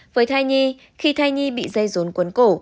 với thai nhi khi thai nhi bị dây rốn cuốn cổ